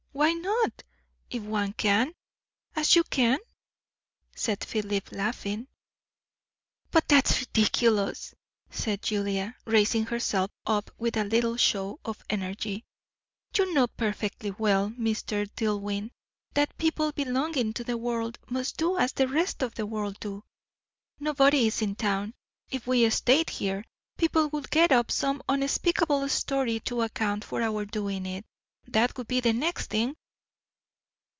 "Why not, if one can, as you can?" said Philip, laughing. "But that's ridiculous," said Julia, raising herself up with a little show of energy. "You know perfectly well, Mr. Dillwyn, that people belonging to the world must do as the rest of the world do. Nobody is in town. If we stayed here, people would get up some unspeakable story to account for our doing it; that would be the next thing."